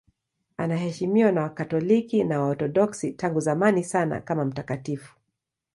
Anaheshimiwa na Wakatoliki na Waorthodoksi tangu zamani sana kama mtakatifu.